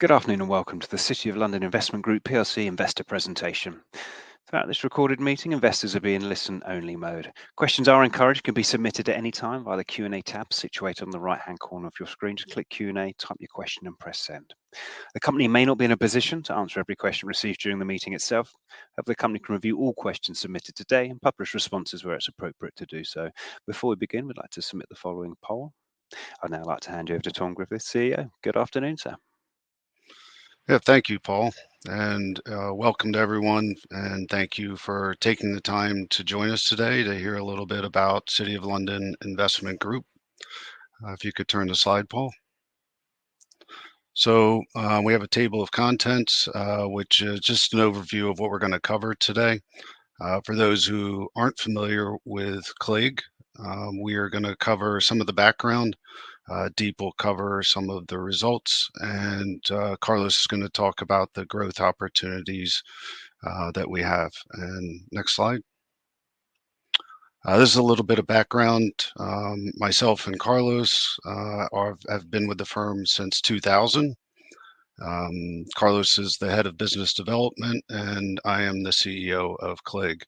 Good afternoon and welcome to the City of London Investment Group PLC investor presentation. Throughout this recorded meeting, investors will be in listen only mode. Questions are encouraged and can be submitted at any time via the Q&A tab situated on the right-hand corner of your screen. Just click Q&A, type your question and press send. The company may not be in a position to answer every question received during the meeting itself. However, the company can review all questions submitted today and publish responses where it's appropriate to do so. Before we begin, we'd like to submit the following poll. I'd now like to hand you over to Tom Griffith, CEO. Good afternoon, sir. Yeah. Thank you, Paul, and welcome to everyone, and thank you for taking the time to join us today to hear a little bit about City of London Investment Group. If you could turn the slide, Paul. So, we have a table of contents, which is just an overview of what we're gonna cover today. For those who aren't familiar with CLIG, we are gonna cover some of the background. Deep will cover some of the results, and Carlos is gonna talk about the growth opportunities that we have. Next slide. This is a little bit of background. Myself and Carlos have been with the firm since 2000. Carlos is the head of business development, and I am the CEO of CLIG.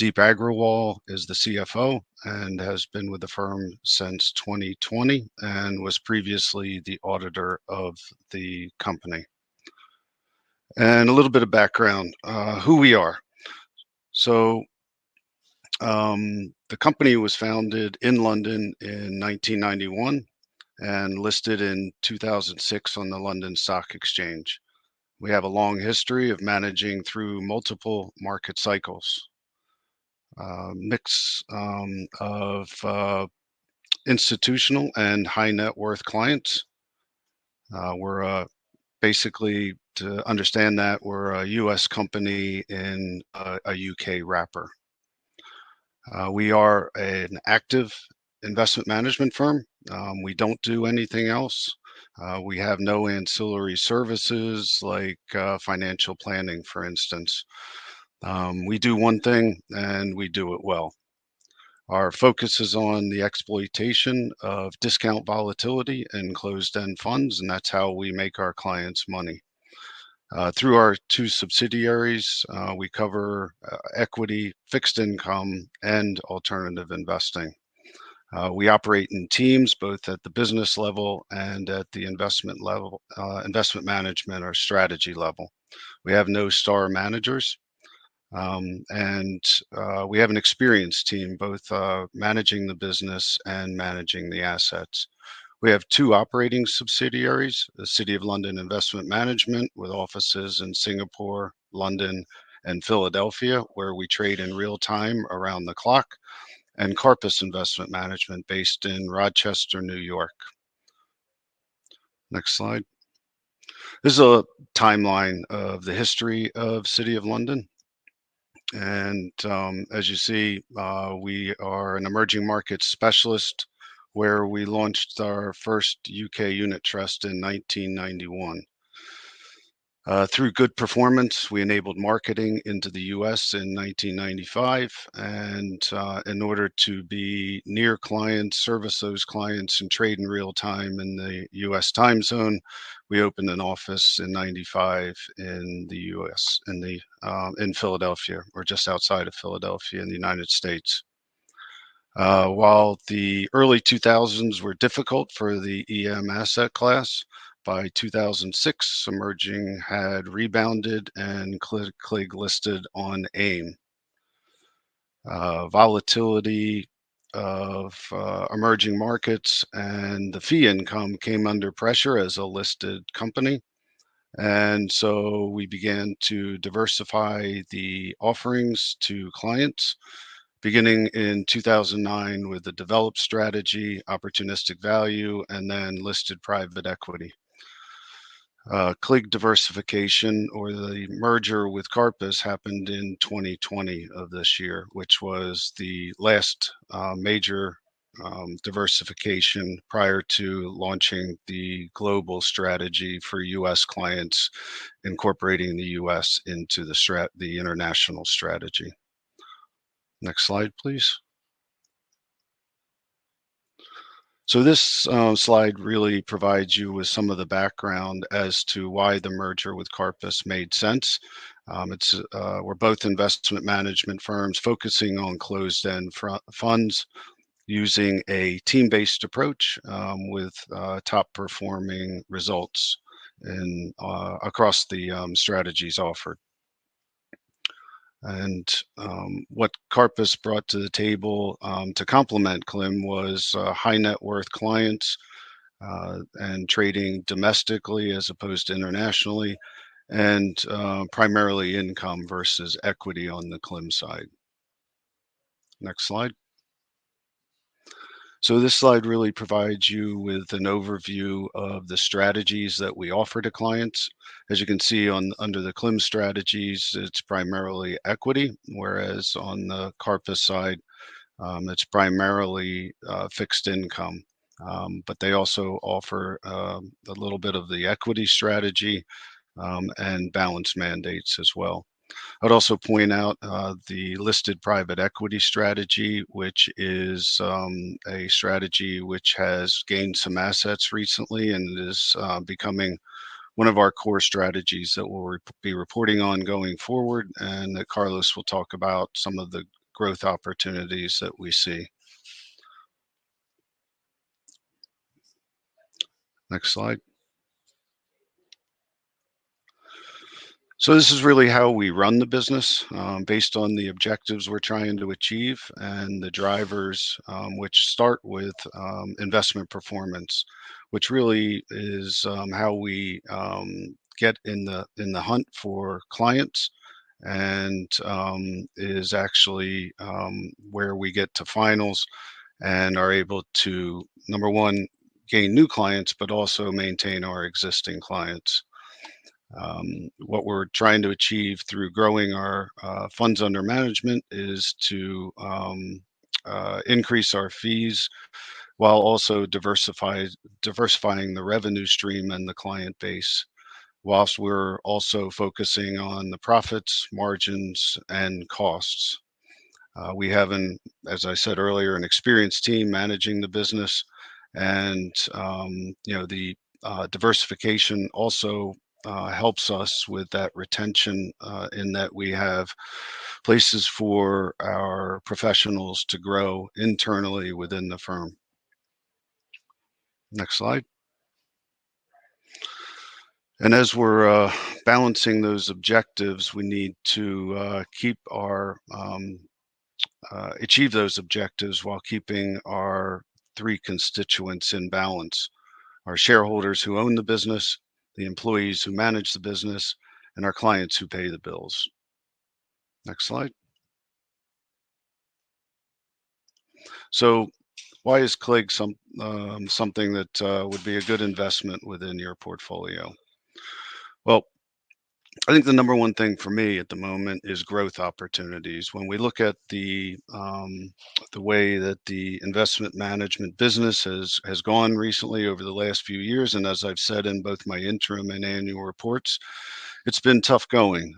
Deep Agrawal is the CFO and has been with the firm since 2020, and was previously the auditor of the company. A little bit of background on who we are. The company was founded in London in 1991 and listed in 2006 on the London Stock Exchange. We have a long history of managing through multiple market cycles, a mix of institutional and high net worth clients. Basically, to understand that, we're a U.S. company in a U.K. wrapper. We are an active investment management firm. We don't do anything else. We have no ancillary services like financial planning, for instance. We do one thing, and we do it well. Our focus is on the exploitation of discount volatility and closed-end funds, and that's how we make our clients money. Through our two subsidiaries, we cover equity, fixed income, and alternative investing. We operate in teams both at the business level and at the investment level, investment management or strategy level. We have no star managers. We have an experienced team both managing the business and managing the assets. We have two operating subsidiaries, the City of London Investment Management, with offices in Singapore, London, and Philadelphia, where we trade in real-time around the clock, and Karpus Investment Management, based in Rochester, New York. Next slide. This is a timeline of the history of City of London. As you see, we are an emerging market specialist where we launched our first U.K. unit trust in 1991. Through good performance, we enabled marketing into the U.S. in 1995. In order to be near clients, service those clients, and trade in real-time in the U.S. time zone, we opened an office in 1995 in the U.S., in Philadelphia, or just outside of Philadelphia in the United States. While the early 2000s were difficult for the EM asset class, by 2006, emerging had rebounded, and CLIG listed on AIM. Volatility of emerging markets and the fee income came under pressure as a listed company. We began to diversify the offerings to clients beginning in 2009 with the developed strategy, opportunistic value, and then listed private equity. CLIG diversification or the merger with Karpus happened in 2020 of this year, which was the last major diversification prior to launching the global strategy for U.S. clients, incorporating the U.S. into the international strategy. Next slide, please. This slide really provides you with some of the background as to why the merger with Karpus made sense. It's we're both investment management firms focusing on closed-end funds using a team-based approach with top performing results across the strategies offered. What Karpus brought to the table to complement CLIM was high net worth clients and trading domestically as opposed to internationally, and primarily income versus equity on the CLIM side. Next slide. This slide really provides you with an overview of the strategies that we offer to clients. As you can see under the CLIM strategies, it's primarily equity, whereas on the Karpus side, it's primarily fixed income. But they also offer a little bit of the equity strategy and balance mandates as well. I'd also point out the listed private equity strategy, which is a strategy which has gained some assets recently and is becoming one of our core strategies that we'll be reporting on going forward, and that Carlos will talk about some of the growth opportunities that we see. Next slide. This is really how we run the business based on the objectives we're trying to achieve and the drivers which start with investment performance. Which really is how we get in the hunt for clients and is actually where we get to finals and are able to, number one, gain new clients, but also maintain our existing clients. What we're trying to achieve through growing our funds under management is to increase our fees while also diversifying the revenue stream and the client base, whilst we're also focusing on the profits, margins, and costs. We have, as I said earlier, an experienced team managing the business and, you know, the diversification also helps us with that retention, in that we have places for our professionals to grow internally within the firm. Next slide. As we're balancing those objectives, we need to achieve those objectives while keeping our three constituents in balance. Our shareholders who own the business, the employees who manage the business, and our clients who pay the bills. Next slide. Why is CLIG something that would be a good investment within your portfolio? Well, I think the number one thing for me at the moment is growth opportunities. When we look at the way that the investment management business has gone recently over the last few years, and as I've said in both my interim and annual reports, it's been tough going.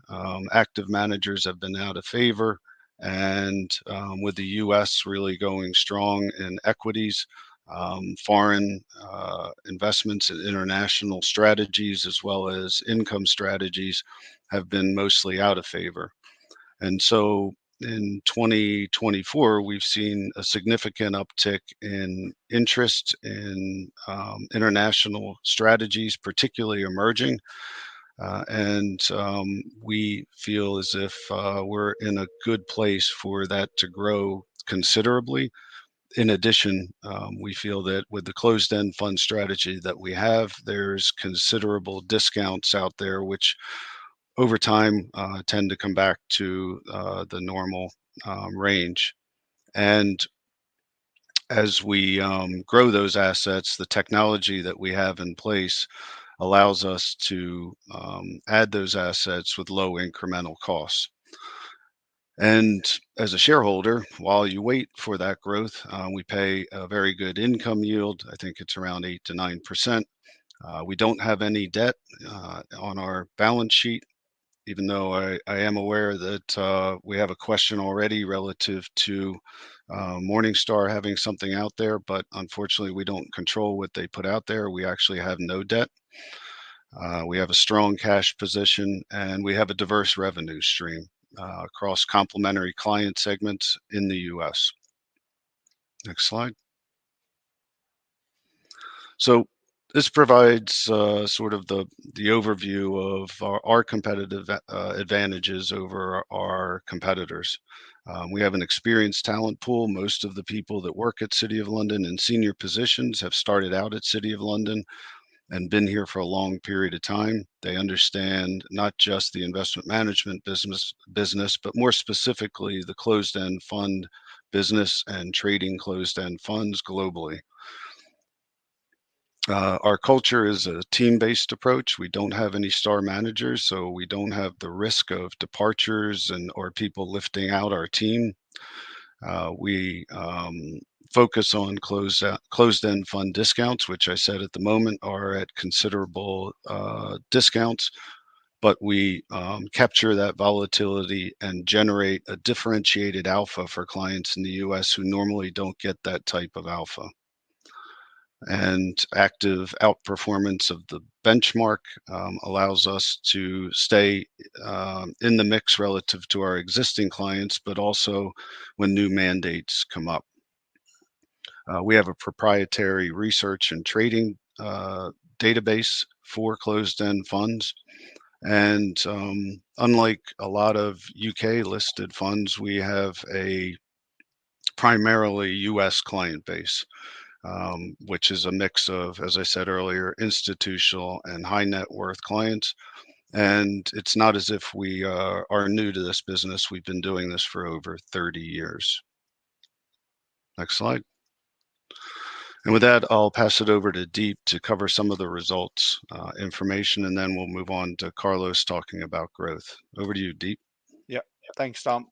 Active managers have been out of favor and with the U.S. really going strong in equities, foreign investments and international strategies as well as income strategies have been mostly out of favor. In 2024, we've seen a significant uptick in interest in international strategies, particularly emerging. We feel as if we're in a good place for that to grow considerably. In addition, we feel that with the closed-end fund strategy that we have, there's considerable discounts out there which over time tend to come back to the normal range. As we grow those assets, the technology that we have in place allows us to add those assets with low incremental costs. As a shareholder, while you wait for that growth, we pay a very good income yield. I think it's around 8%-9%. We don't have any debt on our balance sheet, even though I am aware that we have a question already relative to Morningstar having something out there, but unfortunately, we don't control what they put out there. We actually have no debt. We have a strong cash position, and we have a diverse revenue stream across complementary client segments in the U.S. Next slide. This provides sort of the overview of our competitive advantages over our competitors. We have an experienced talent pool. Most of the people that work at City of London in senior positions have started out at City of London and been here for a long period of time. They understand not just the investment management business, but more specifically, the closed-end fund business and trading closed-end funds globally. Our culture is a team-based approach. We don't have any star managers, so we don't have the risk of departures or people lifting out our team. We focus on closed-end fund discounts, which I said at the moment are at considerable discounts, but we capture that volatility and generate a differentiated alpha for clients in the U.S. who normally don't get that type of alpha. Active outperformance of the benchmark allows us to stay in the mix relative to our existing clients, but also when new mandates come up. We have a proprietary research and trading database for closed-end funds. Unlike a lot of U.K.-listed funds, we have a primarily U.S. client base, which is a mix of, as I said earlier, institutional and high-net-worth clients. It's not as if we are new to this business. We've been doing this for over 30 years. Next slide. With that, I'll pass it over to Deep to cover some of the results, information, and then we'll move on to Carlos talking about growth. Over to you, Deep. Yeah. Thanks, Tom.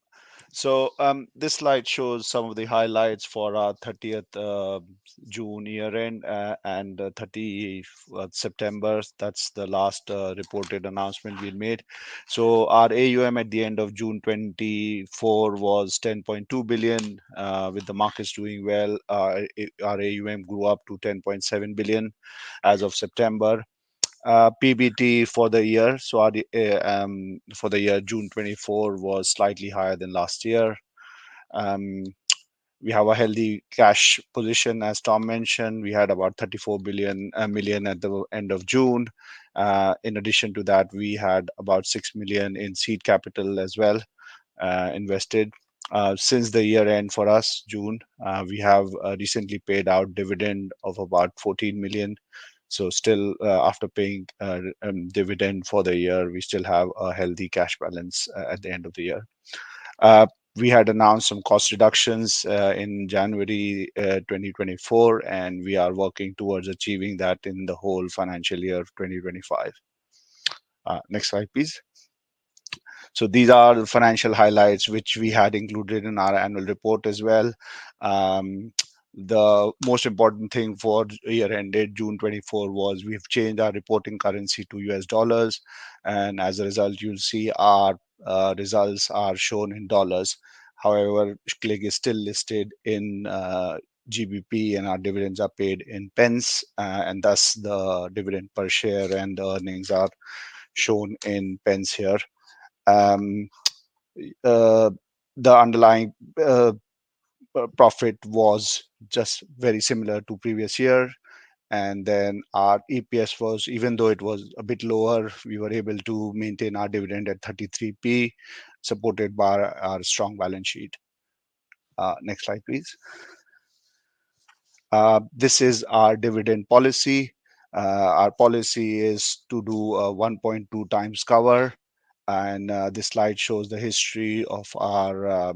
This slide shows some of the highlights for our 30th June year-end and 30th September. That's the last reported announcement we made. Our AUM at the end of June 2024 was $10.2 billion. With the markets doing well, our AUM grew to $10.7 billion as of September. PBT for the year June 2024 was slightly higher than last year. We have a healthy cash position, as Tom mentioned. We had about $34 million at the end of June. In addition to that, we had about $6 million in seed capital as well, invested. Since the year-end for us, June, we have recently paid out dividend of about $14 million. Still, after paying dividend for the year, we still have a healthy cash balance at the end of the year. We had announced some cost reductions in January 2024, and we are working towards achieving that in the whole financial year of 2025. Next slide, please. These are the financial highlights which we had included in our annual report as well. The most important thing for year ended June 2024 was we've changed our reporting currency to US dollars. As a result, you'll see our results are shown in dollars. However, CLIG is still listed in GBP and our dividends are paid in pence. Thus the dividend per share and earnings are shown in pence here. The underlying profit was just very similar to previous year. Our EPS was. Even though it was a bit lower, we were able to maintain our dividend at 0.33, supported by our strong balance sheet. Next slide, please. This is our dividend policy. Our policy is to do 1.2 times cover. This slide shows the history of our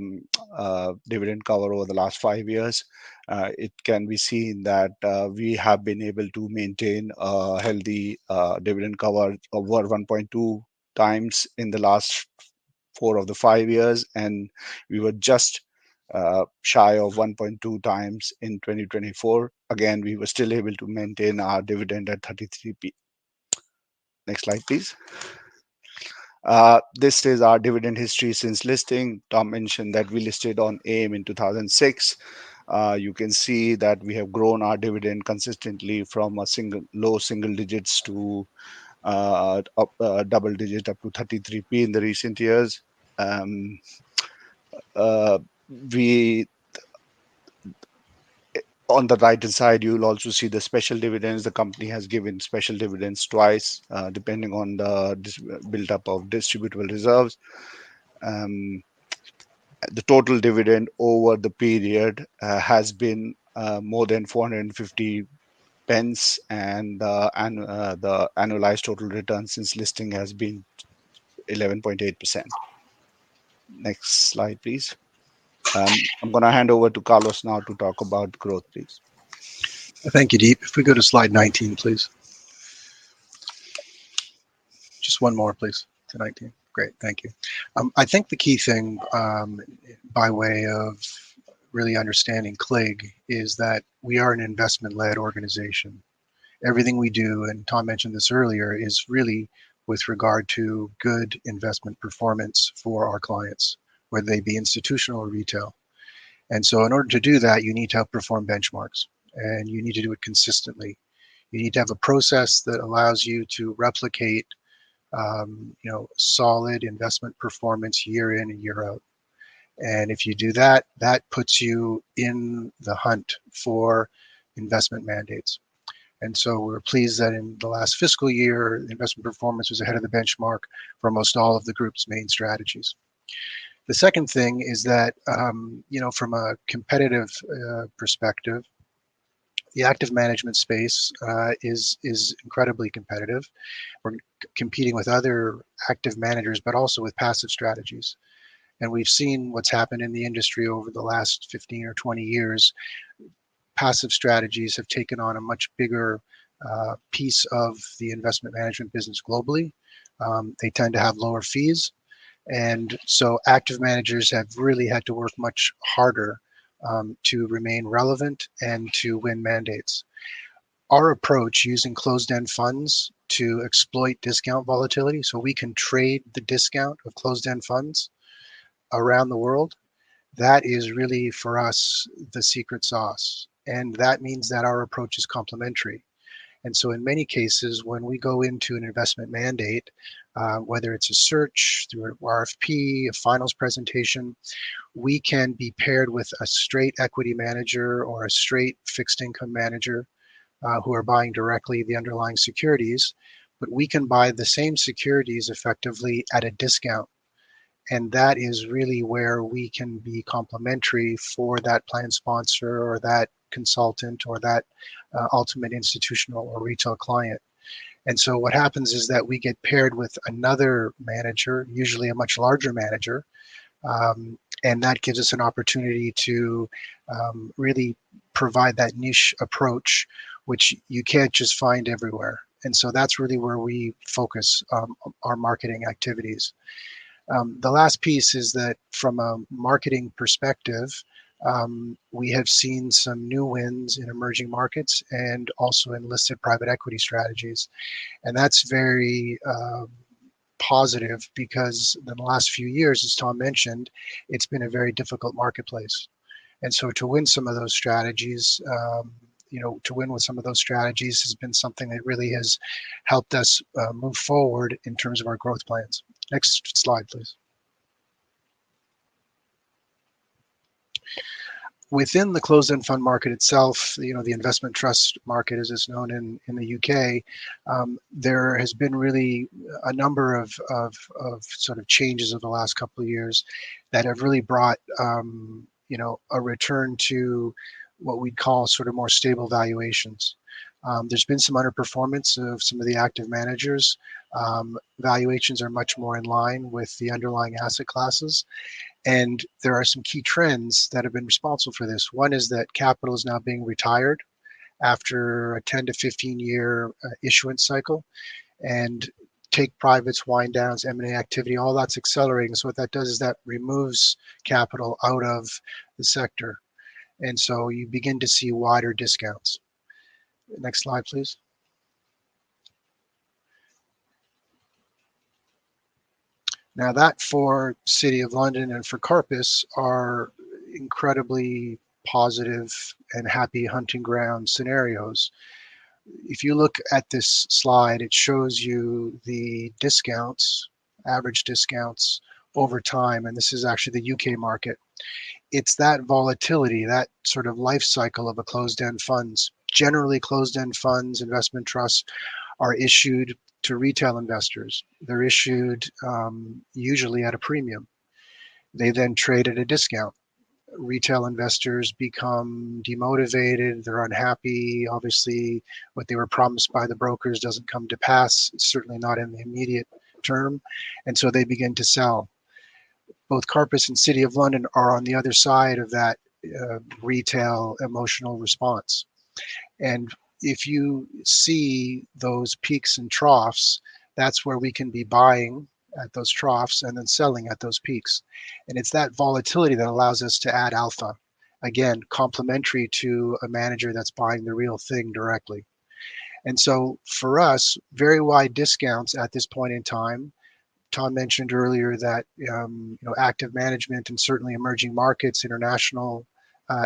dividend cover over the last five years. It can be seen that we have been able to maintain a healthy dividend cover over 1.2 times in the last four of the five years, and we were just shy of 1.2 times in 2024. Again, we were still able to maintain our dividend at 0.33. Next slide, please. This is our dividend history since listing. Tom mentioned that we listed on AIM in 2006. You can see that we have grown our dividend consistently from low single digits to double digits up to 0.33 in recent years. On the right-hand side, you'll also see the special dividends. The company has given special dividends twice, depending on the build-up of distributable reserves. The total dividend over the period has been more than 4.50, and the annualized total return since listing has been 11.8%. Next slide, please. I'm gonna hand over to Carlos now to talk about growth, please. Thank you, Deep. If we go to slide 19, please. Just one more please, to 19. Great. Thank you. I think the key thing, by way of really understanding CLIG is that we are an investment-led organization. Everything we do, and Tom mentioned this earlier, is really with regard to good investment performance for our clients, whether they be institutional or retail. In order to do that, you need to outperform benchmarks, and you need to do it consistently. You need to have a process that allows you to replicate, you know, solid investment performance year in and year out. If you do that puts you in the hunt for investment mandates. We're pleased that in the last fiscal year, investment performance was ahead of the benchmark for almost all of the group's main strategies. The second thing is that, you know, from a competitive perspective, the active management space is incredibly competitive. We're competing with other active managers, but also with passive strategies. We've seen what's happened in the industry over the last 15 or 20 years. Passive strategies have taken on a much bigger piece of the investment management business globally. They tend to have lower fees, and so active managers have really had to work much harder to remain relevant and to win mandates. Our approach using closed-end funds to exploit discount volatility so we can trade the discount of closed-end funds around the world, that is really for us, the secret sauce. That means that our approach is complementary. In many cases, when we go into an investment mandate, whether it's a search through an RFP, a finals presentation, we can be paired with a straight equity manager or a straight fixed income manager, who are buying directly the underlying securities. We can buy the same securities effectively at a discount. That is really where we can be complementary for that plan sponsor or that consultant or that ultimate institutional or retail client. What happens is that we get paired with another manager, usually a much larger manager, and that gives us an opportunity to really provide that niche approach which you can't just find everywhere. That's really where we focus our marketing activities. The last piece is that from a marketing perspective, we have seen some new wins in emerging markets and also in listed private equity strategies. That's very positive because in the last few years, as Tom mentioned, it's been a very difficult marketplace. To win some of those strategies, you know, to win with some of those strategies has been something that really has helped us move forward in terms of our growth plans. Next slide, please. Within the closed-end fund market itself, you know, the investment trust market as it's known in the U.K., there has been really a number of sort of changes over the last couple of years that have really brought a return to what we'd call sort of more stable valuations. There's been some underperformance of some of the active managers. Valuations are much more in line with the underlying asset classes. There are some key trends that have been responsible for this. One is that capital is now being retired after a 10-15-year issuance cycle. Take-privates, wind-downs, M&A activity, all that's accelerating. What that does is that removes capital out of the sector. You begin to see wider discounts. Next slide, please. Now, that for City of London and for Karpus are incredibly positive and happy hunting ground scenarios. If you look at this slide, it shows you the discounts, average discounts over time, and this is actually the U.K. market. It's that volatility, that sort of life cycle of closed-end funds. Generally, closed-end funds, investment trusts are issued to retail investors. They're issued usually at a premium. They then trade at a discount. Retail investors become demotivated. They're unhappy. Obviously, what they were promised by the brokers doesn't come to pass, certainly not in the immediate term. They begin to sell. Both Karpus and City of London are on the other side of that retail emotional response. If you see those peaks and troughs, that's where we can be buying at those troughs and then selling at those peaks. It's that volatility that allows us to add alpha. Again, complementary to a manager that's buying the real thing directly. For us, very wide discounts at this point in time. Tom mentioned earlier that, you know, active management and certainly emerging markets, international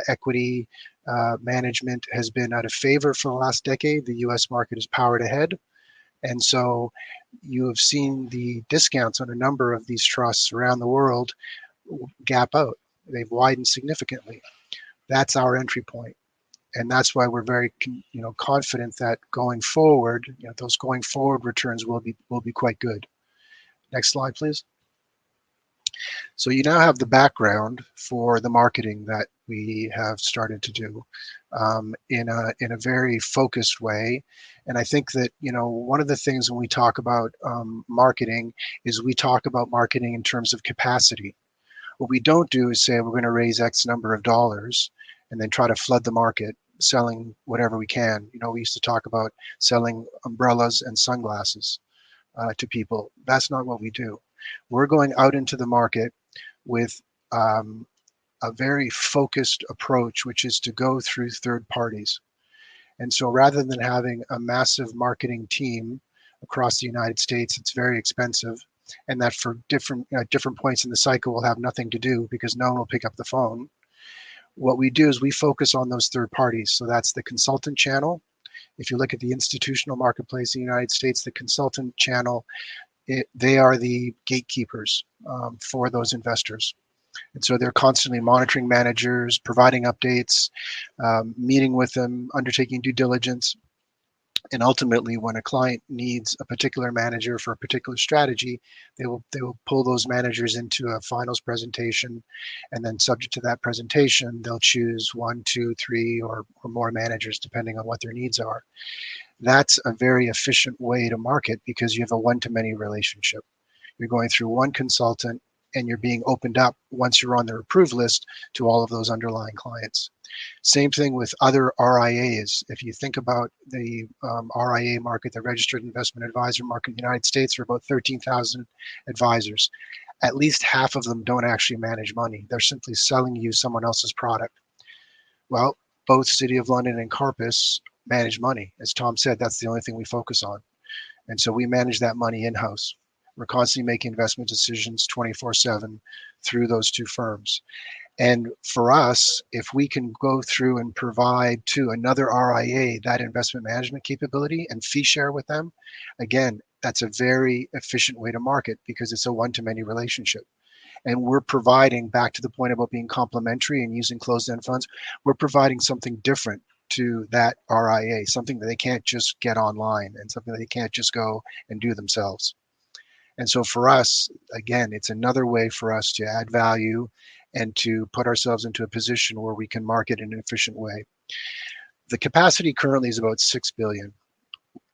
equity management has been out of favor for the last decade. The U.S. market has powered ahead. You have seen the discounts on a number of these trusts around the world gap out. They've widened significantly. That's our entry point, and that's why we're very you know, confident that going forward, you know, those going forward returns will be quite good. Next slide, please. You now have the background for the marketing that we have started to do in a very focused way. I think that, you know, one of the things when we talk about marketing is we talk about marketing in terms of capacity. What we don't do is say we're gonna raise X number of dollars and then try to flood the market selling whatever we can. You know, we used to talk about selling umbrellas and sunglasses to people. That's not what we do. We're going out into the market with a very focused approach, which is to go through third parties. Rather than having a massive marketing team across the United States, it's very expensive, and that for different points in the cycle will have nothing to do because no one will pick up the phone. What we do is we focus on those third parties. That's the consultant channel. If you look at the institutional marketplace in the United States, the consultant channel, they are the gatekeepers for those investors. They're constantly monitoring managers, providing updates, meeting with them, undertaking due diligence. Ultimately, when a client needs a particular manager for a particular strategy, they will pull those managers into a finals presentation. Subject to that presentation, they'll choose one, two, three, or more managers depending on what their needs are. That's a very efficient way to market because you have a one-to-many relationship. You're going through one consultant, and you're being opened up once you're on their approved list to all of those underlying clients. Same thing with other RIAs. If you think about the RIA market, the Registered Investment Adviser market in the United States, there are about 13,000 advisors. At least half of them don't actually manage money. They're simply selling you someone else's product. Well, both City of London and Karpus manage money. As Tom said, that's the only thing we focus on. We manage that money in-house. We're constantly making investment decisions 24/7 through those two firms. For us, if we can go through and provide to another RIA that investment management capability and fee share with them, again, that's a very efficient way to market because it's a one-to-many relationship. We're providing back to the point about being complementary and using closed-end funds. We're providing something different to that RIA, something that they can't just get online and something that they can't just go and do themselves. For us, again, it's another way for us to add value and to put ourselves into a position where we can market in an efficient way. The capacity currently is about $6 billion.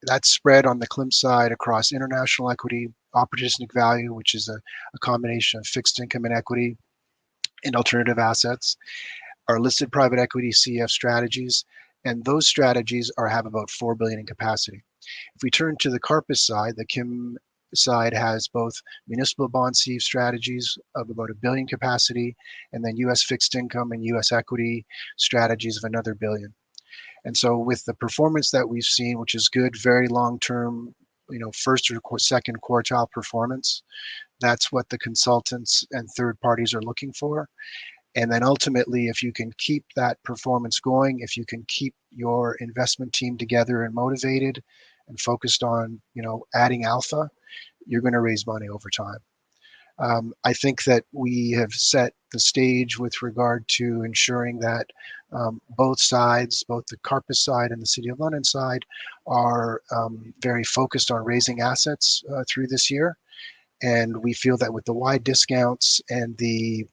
That's spread on the CLIM side across international equity, opportunistic value, which is a combination of fixed income and equity, and alternative assets. Our listed private equity CEF strategies, and those strategies have about $4 billion in capacity. If we turn to the Karpus side, the KIM side has both municipal bond CEF strategies of about $1 billion capacity, and then U.S. fixed income and U.S. equity strategies of another $1 billion. With the performance that we've seen, which is good, very long-term, you know, first or second quartile performance, that's what the consultants and third parties are looking for. Ultimately, if you can keep that performance going, if you can keep your investment team together and motivated and focused on, you know, adding alpha, you're gonna raise money over time. I think that we have set the stage with regard to ensuring that both sides, both the Karpus side and the City of London side, are very focused on raising assets through this year. We feel that with the wide discounts and the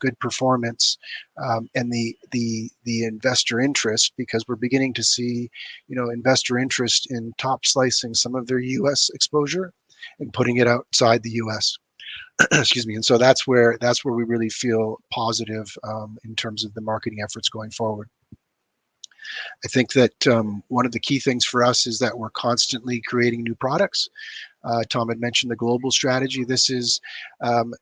good performance and the investor interest, because we're beginning to see, you know, investor interest in top slicing some of their U.S. exposure and putting it outside the U.S. Excuse me. That's where we really feel positive in terms of the marketing efforts going forward. I think that one of the key things for us is that we're constantly creating new products. Tom had mentioned the global strategy. This is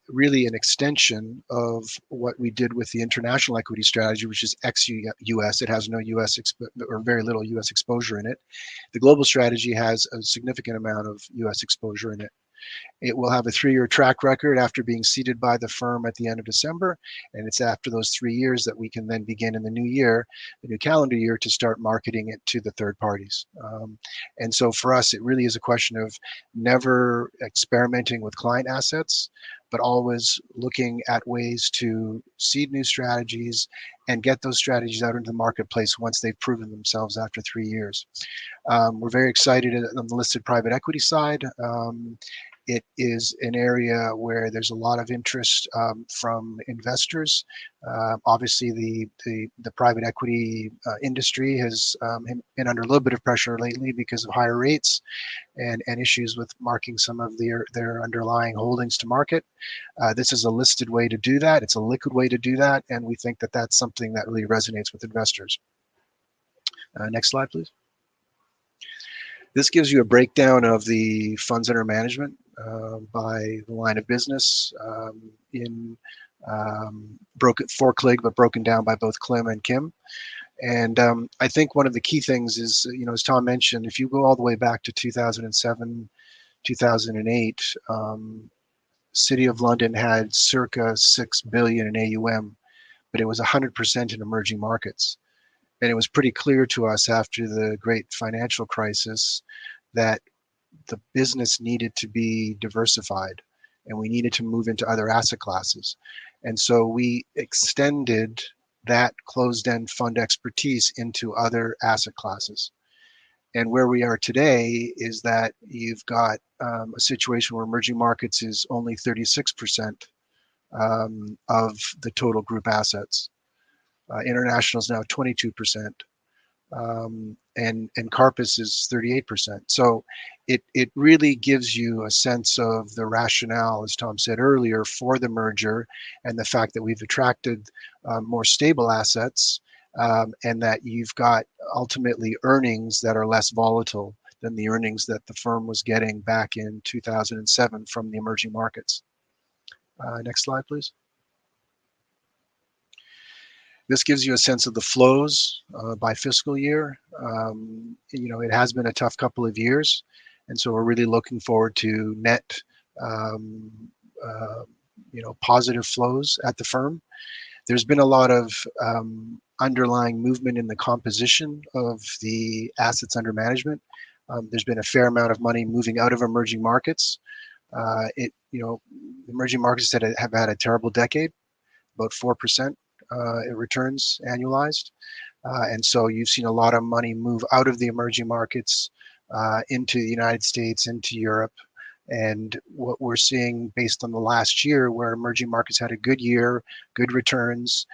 really an extension of what we did with the international equity strategy, which is ex-U.S. It has no U.S. exposure or very little U.S. exposure in it. The global strategy has a significant amount of U.S. exposure in it. It will have a three-year track record after being seeded by the firm at the end of December, and it's after those three years that we can then begin in the new year, the new calendar year, to start marketing it to the third parties. For us, it really is a question of never experimenting with client assets, but always looking at ways to seed new strategies and get those strategies out into the marketplace once they've proven themselves after three years. We're very excited on the listed private equity side. It is an area where there's a lot of interest from investors. Obviously the private equity industry has been under a little bit of pressure lately because of higher rates and issues with marking some of their underlying holdings to market. This is a listed way to do that. It's a liquid way to do that, and we think that that's something that really resonates with investors. Next slide, please. This gives you a breakdown of the funds that are managed by the line of business, broken down by both CLIM and KIM. I think one of the key things is, you know, as Tom mentioned, if you go all the way back to 2007, 2008, City of London had circa $6 billion in AUM, but it was 100% in emerging markets. It was pretty clear to us after the great financial crisis that the business needed to be diversified, and we needed to move into other asset classes. We extended that closed-end fund expertise into other asset classes. Where we are today is that you've got a situation where emerging markets is only 36% of the total group assets. International is now 22%, and Karpus is 38%. It really gives you a sense of the rationale, as Tom said earlier, for the merger and the fact that we've attracted more stable assets, and that you've got ultimately earnings that are less volatile than the earnings that the firm was getting back in 2007 from the emerging markets. Next slide, please. This gives you a sense of the flows by fiscal year. You know, it has been a tough couple of years, and so we're really looking forward to net, you know, positive flows at the firm. There's been a lot of underlying movement in the composition of the assets under management. There's been a fair amount of money moving out of emerging markets, you know, emerging markets that have had a terrible decade, about 4% in returns annualized. You've seen a lot of money move out of the emerging markets into the United States, into Europe. What we're seeing based on the last year, where emerging markets had a good year, good returns,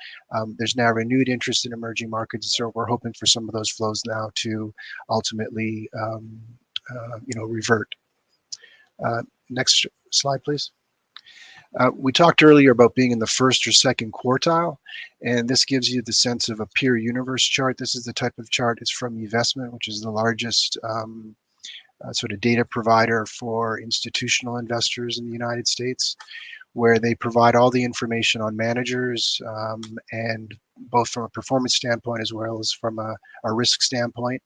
there's now renewed interest in emerging markets, and so we're hoping for some of those flows now to ultimately, you know, revert. Next slide, please. We talked earlier about being in the first or second quartile, and this gives you the sense of a peer universe chart. This is the type of chart. It's from eVestment, which is the largest sort of data provider for institutional investors in the United States, where they provide all the information on managers and both from a performance standpoint as well as from a risk standpoint.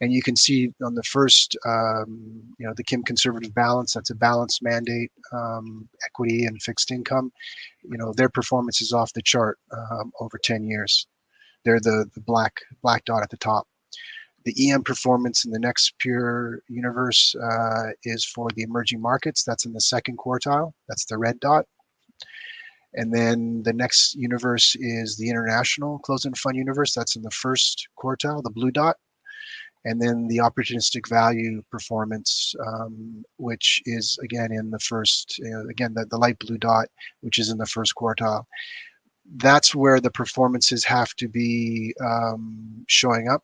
You can see on the first, you know, the KIM conservative balance, that's a balance mandate, equity and fixed income. You know, their performance is off the chart over 10 years. They're the black dot at the top. The EM performance in the next peer universe is for the emerging markets. That's in the second quartile. That's the red dot. The next universe is the international closed-end fund universe. That's in the first quartile, the blue dot. Then the opportunistic value performance, which is again in the first, you know, again, the light blue dot, which is in the first quartile. That's where the performances have to be showing up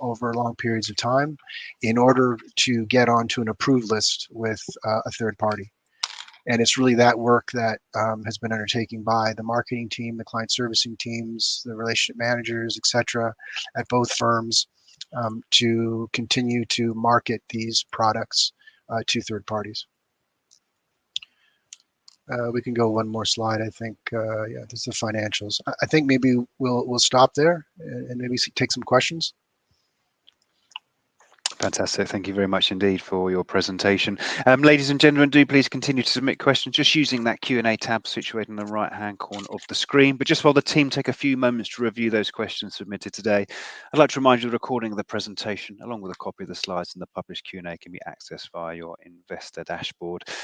over long periods of time in order to get onto an approved list with a third party. It's really that work that has been undertaken by the marketing team, the client servicing teams, the relationship managers, et cetera, at both firms to continue to market these products to third parties. We can go one more slide I think. Yeah, this is financials. I think maybe we'll stop there and maybe take some questions. Fantastic. Thank you very much indeed for your presentation. Ladies and gentlemen, do please continue to submit questions just using that Q&A tab situated in the right-hand corner of the screen. Just while the team take a few moments to review those questions submitted today, I'd like to remind you the recording of the presentation, along with a copy of the slides and the published Q&A, can be accessed via your investor dashboard. We've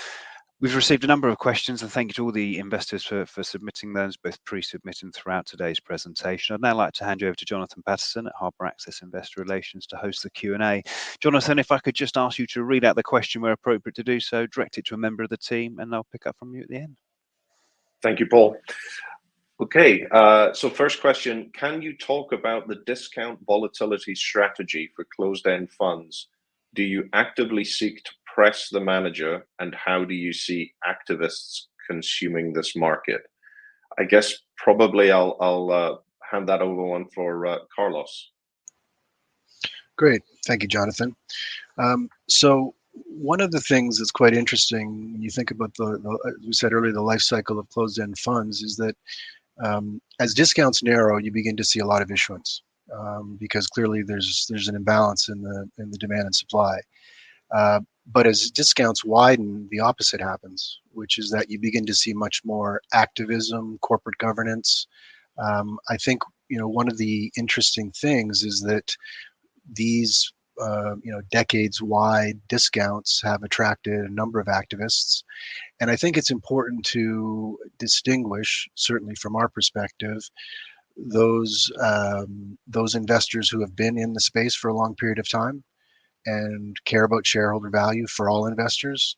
received a number of questions, and thank you to all the investors for submitting those, both pre-submit and throughout today's presentation. I'd now like to hand you over to Jonathan Patterson at Harbor Access Investor Relations to host the Q&A. Jonathan, if I could just ask you to read out the question where appropriate to do so, direct it to a member of the team, and they'll pick up from you at the end. Thank you, Paul. Okay, first question: Can you talk about the discount volatility strategy for closed-end funds? Do you actively seek to press the manager, and how do you see activists consuming this market? I guess probably I'll hand that over to Carlos. Great. Thank you, Jonathan. One of the things that's quite interesting when you think about the life cycle of closed-end funds you said earlier is that, as discounts narrow, you begin to see a lot of issuance, because clearly there's an imbalance in the demand and supply. As discounts widen, the opposite happens, which is that you begin to see much more activism, corporate governance. I think, you know, one of the interesting things is that these, you know, decades-wide discounts have attracted a number of activists, and I think it's important to distinguish, certainly from our perspective, those investors who have been in the space for a long period of time and care about shareholder value for all investors,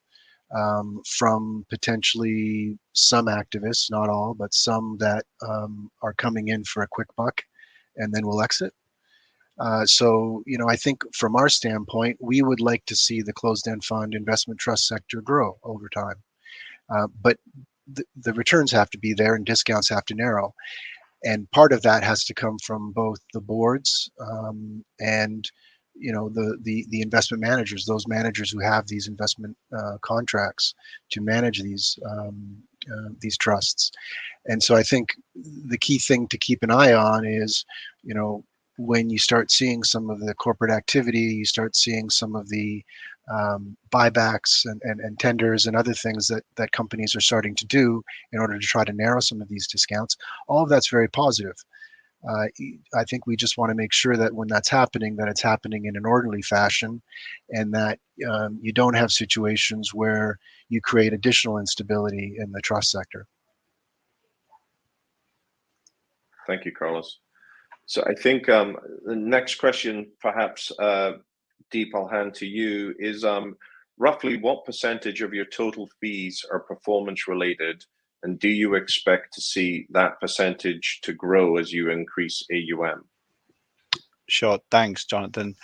from potentially some activists, not all, but some that are coming in for a quick buck and then will exit. You know, I think from our standpoint, we would like to see the closed-end fund investment trust sector grow over time. Returns have to be there and discounts have to narrow, and part of that has to come from both the boards and, you know, the investment managers, those managers who have these investment contracts to manage these trusts. I think the key thing to keep an eye on is, you know, when you start seeing some of the corporate activity, you start seeing some of the buybacks and tenders and other things that companies are starting to do in order to try to narrow some of these discounts. All of that's very positive. I think we just wanna make sure that when that's happening, that it's happening in an orderly fashion and that you don't have situations where you create additional instability in the trust sector. Thank you, Carlos. I think the next question perhaps, Deep, I'll hand to you is roughly what percentage of your total fees are performance related, and do you expect to see that percentage to grow as you increase AUM? Sure. Thanks, Jonathan.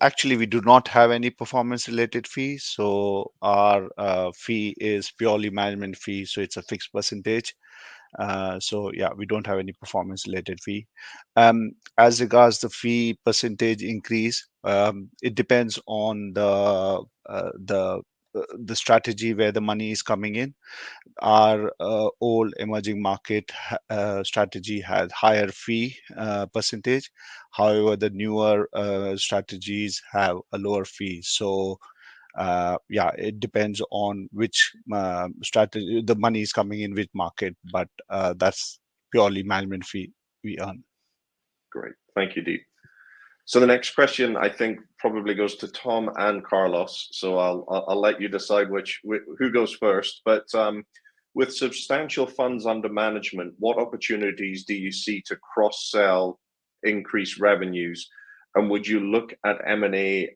Actually we do not have any performance related fees, so our fee is purely management fee, so it's a fixed percentage. Yeah, we don't have any performance related fee. As regards the fee percentage increase, it depends on the strategy where the money is coming in. Our old emerging market strategy had higher fee percentage. However, the newer strategies have a lower fee. Yeah, it depends on which strategy the money is coming in with market. That's purely management fee we earn. Great. Thank you, Deep. The next question I think probably goes to Tom and Carlos, so I'll let you decide who goes first. With substantial funds under management, what opportunities do you see to cross-sell increased revenues, and would you look at M&A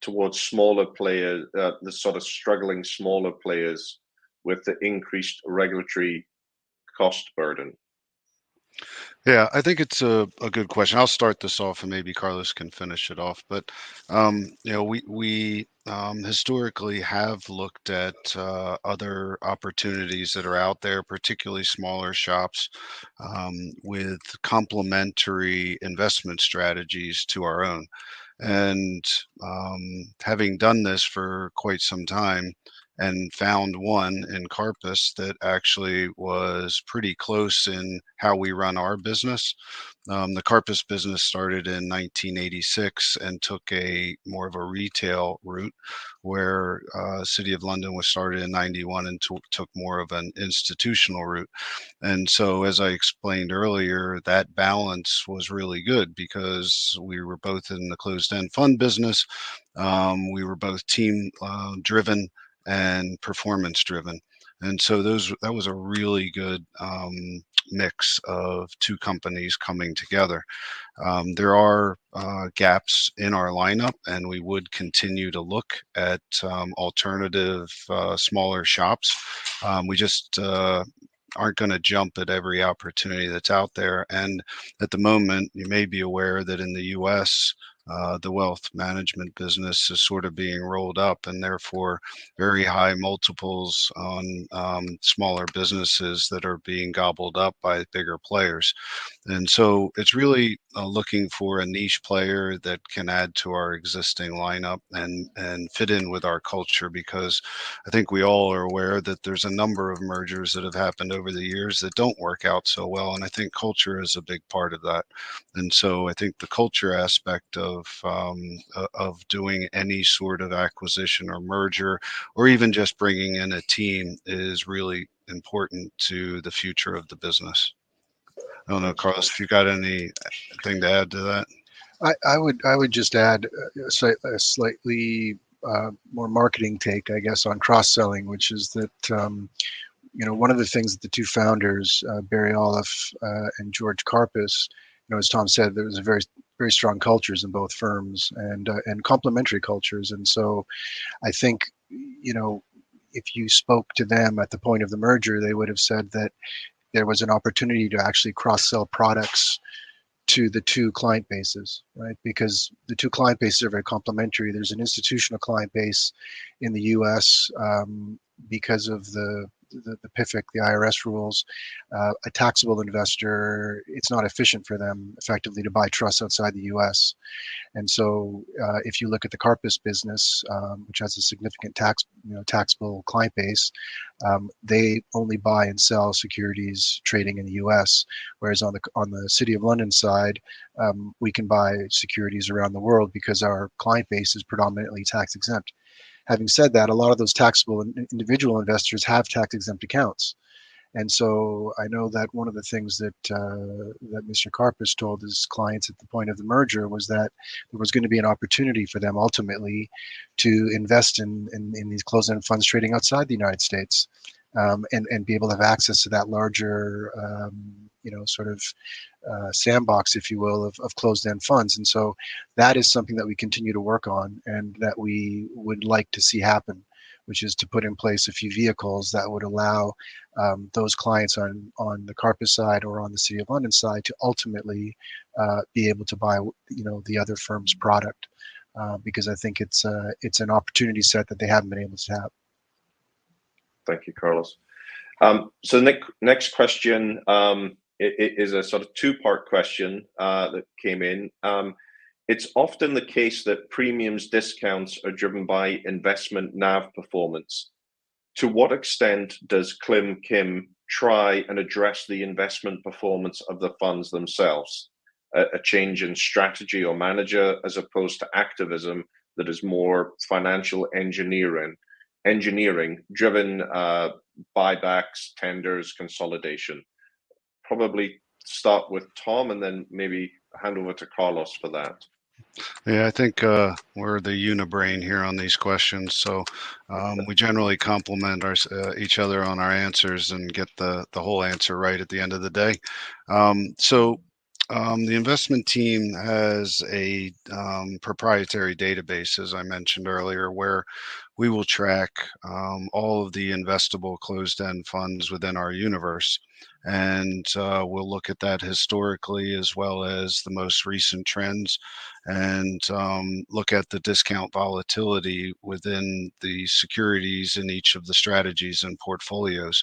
towards smaller players, the sort of struggling smaller players with the increased regulatory cost burden? Yeah. I think it's a good question. I'll start this off, and maybe Carlos can finish it off. You know, we historically have looked at other opportunities that are out there, particularly smaller shops with complementary investment strategies to our own. Having done this for quite some time and found one in Karpus that actually was pretty close in how we run our business. The Karpus business started in 1986 and took a more of a retail route, where City of London was started in 1991 and took more of an institutional route. As I explained earlier, that balance was really good because we were both in the closed-end fund business, we were both team driven and performance driven. That was a really good mix of two companies coming together. There are gaps in our lineup, and we would continue to look at alternative smaller shops. We just aren't gonna jump at every opportunity that's out there. At the moment, you may be aware that in the U.S., the wealth management business is sort of being rolled up and therefore very high multiples on smaller businesses that are being gobbled up by bigger players. It's really looking for a niche player that can add to our existing lineup and fit in with our culture. Because I think we all are aware that there's a number of mergers that have happened over the years that don't work out so well, and I think culture is a big part of that. I think the culture aspect of doing any sort of acquisition or merger or even just bringing in a team is really important to the future of the business. I don't know, Carlos, if you got anything to add to that. I would just add a slightly more marketing take, I guess, on cross-selling, which is that, you know, one of the things that the two founders, Barry Olliff, and George Karpus, you know, as Tom said, there was a very strong cultures in both firms and complementary cultures. I think, you know, if you spoke to them at the point of the merger, they would've said that there was an opportunity to actually cross-sell products to the two client bases, right? Because the two client bases are very complementary. There's an institutional client base in the U.S., because of the PFIC, the IRS rules. A taxable investor, it's not efficient for them effectively to buy trusts outside the U.S. If you look at the Karpus business, which has a significant taxable client base, they only buy and sell securities trading in the U.S., whereas on the City of London side, we can buy securities around the world because our client base is predominantly tax-exempt. Having said that, a lot of those taxable individual investors have tax-exempt accounts. I know that one of the things that Mr. Karpus told his clients at the point of the merger was that there was gonna be an opportunity for them ultimately to invest in these closed-end funds trading outside the United States, and be able to have access to that larger, you know, sort of sandbox, if you will, of closed-end funds. That is something that we continue to work on and that we would like to see happen, which is to put in place a few vehicles that would allow those clients on the Karpus side or on the City of London side to ultimately be able to buy, you know, the other firm's product. Because I think it's an opportunity set that they haven't been able to have. Thank you, Carlos. The next question is a sort of two-part question that came in. It's often the case that premiums discounts are driven by investment NAV performance. To what extent does CLIM and KIM try and address the investment performance of the funds themselves? A change in strategy or manager as opposed to activism that is more financial engineering driven, buybacks, tenders, consolidation. Probably start with Tom and then maybe hand over to Carlos for that. Yeah. I think we're the unibrain here on these questions, so we generally complement each other on our answers and get the whole answer right at the end of the day. The investment team has a proprietary database, as I mentioned earlier, where we will track all of the investable closed-end funds within our universe. We'll look at that historically as well as the most recent trends and look at the discount volatility within the securities in each of the strategies and portfolios.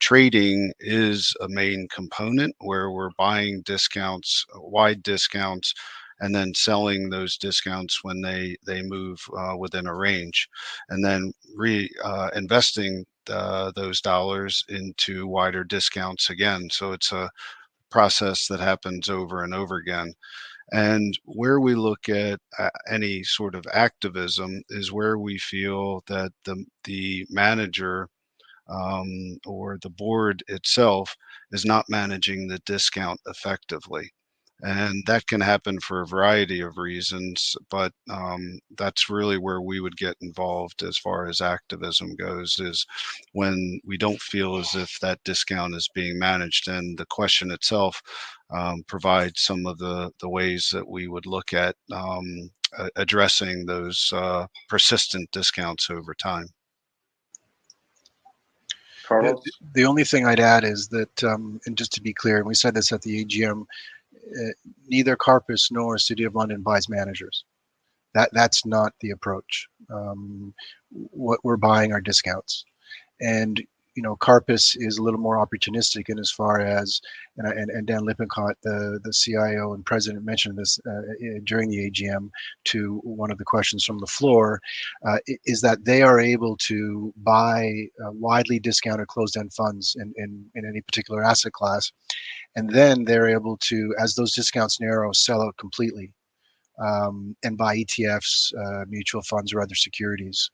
Trading is a main component where we're buying discounts, wide discounts, and then selling those discounts when they move within a range, and then reinvesting those dollars into wider discounts again. It's a process that happens over and over again. Where we look at any sort of activism is where we feel that the manager or the board itself is not managing the discount effectively. That can happen for a variety of reasons, but that's really where we would get involved as far as activism goes, is when we don't feel as if that discount is being managed. The question itself provides some of the ways that we would look at addressing those persistent discounts over time. Carlos? The only thing I'd add is that, and just to be clear, and we said this at the AGM, neither Karpus nor City of London buys managers. That's not the approach. What we're buying are discounts. You know, Karpus is a little more opportunistic insofar as Dan Lippincott, the CIO and President, mentioned this during the AGM to one of the questions from the floor, that they are able to buy widely discounted closed-end funds in any particular asset class, and then they're able to, as those discounts narrow, sell out completely and buy ETFs, mutual funds or other securities.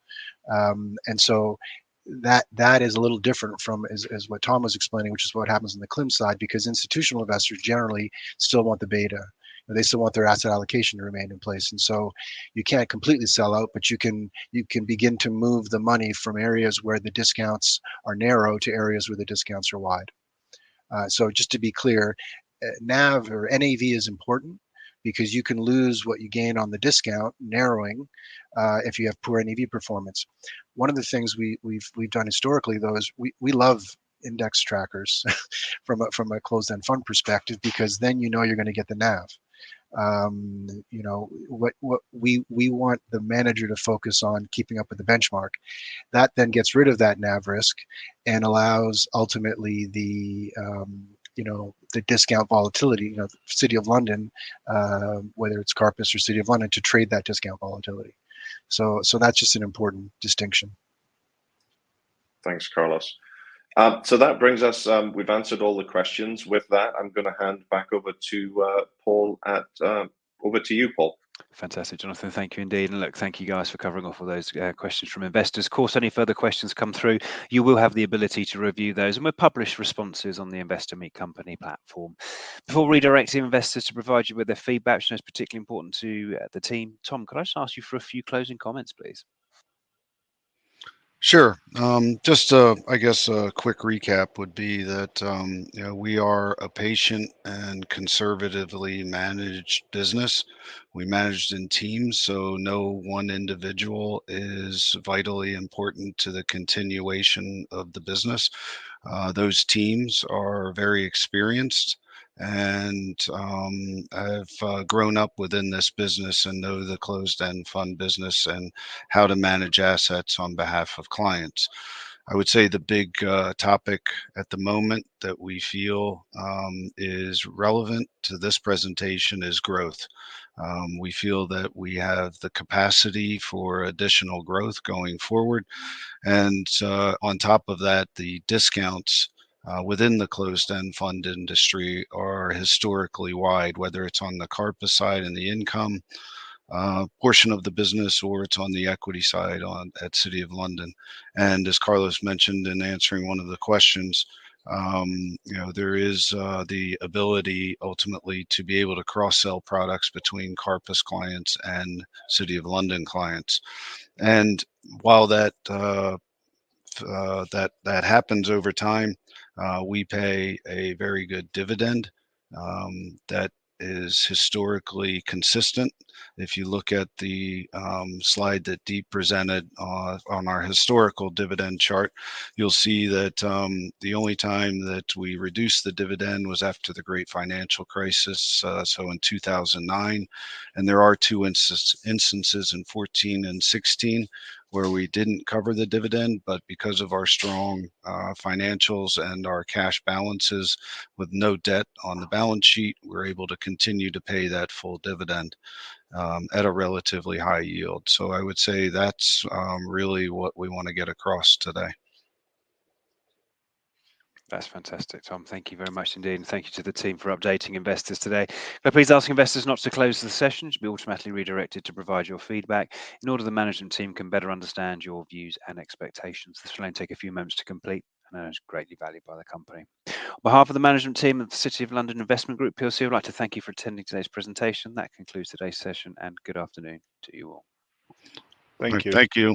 That is a little different from what Tom was explaining, which is what happens in the CLIM side, because institutional investors generally still want the beta, and they still want their asset allocation to remain in place. You can't completely sell out, but you can begin to move the money from areas where the discounts are narrow to areas where the discounts are wide. Just to be clear, NAV or N-A-V is important because you can lose what you gain on the discount narrowing, if you have poor NAV performance. One of the things we've done historically though is we love index trackers from a closed-end fund perspective because then you know you're gonna get the NAV. We want the manager to focus on keeping up with the benchmark. That then gets rid of that NAV risk and allows ultimately the you know the discount volatility of City of London, whether it's Karpus or City of London, to trade that discount volatility. That's just an important distinction. Thanks, Carlos. That brings us. We've answered all the questions. With that, I'm gonna hand back over to Paul. Over to you, Paul. Fantastic, Jonathan. Thank you indeed. Look, thank you guys for covering off all those questions from investors. Of course, any further questions come through, you will have the ability to review those, and we'll publish responses on the Investor Meet Company platform. Before redirecting investors to provide you with their feedback, which is particularly important to the team, Tom, could I just ask you for a few closing comments, please? Sure. Just a, I guess, a quick recap would be that, you know, we are a patient and conservatively managed business. We manage in teams, so no one individual is vitally important to the continuation of the business. Those teams are very experienced and have grown up within this business and know the closed-end fund business and how to manage assets on behalf of clients. I would say the big topic at the moment that we feel is relevant to this presentation is growth. We feel that we have the capacity for additional growth going forward. On top of that, the discounts within the closed-end fund industry are historically wide, whether it's on the Karpus side and the income portion of the business or it's on the equity side at City of London. As Carlos mentioned in answering one of the questions, you know, there is the ability ultimately to be able to cross-sell products between Karpus clients and City of London clients. While that happens over time, we pay a very good dividend that is historically consistent. If you look at the slide that Deep presented on our historical dividend chart, you'll see that the only time that we reduced the dividend was after the great financial crisis, so in 2009. There are two instances in 2014 and 2016 where we didn't cover the dividend, but because of our strong financials and our cash balances with no debt on the balance sheet, we're able to continue to pay that full dividend at a relatively high yield. I would say that's really what we wanna get across today. That's fantastic, Tom. Thank you very much indeed. Thank you to the team for updating investors today. May I please ask investors not to close the session. You should be automatically redirected to provide your feedback in order that the management team can better understand your views and expectations. This will only take a few moments to complete and it is greatly valued by the company. On behalf of the management team at the City of London Investment Group PLC, I'd like to thank you for attending today's presentation. That concludes today's session, and good afternoon to you all. Thank you.